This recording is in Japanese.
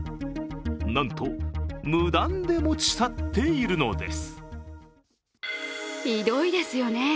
なんと、無断で持ち去っているのです。